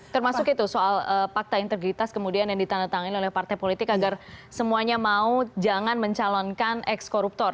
termasuk itu soal fakta integritas kemudian yang ditandatangani oleh partai politik agar semuanya mau jangan mencalonkan ekskoruptor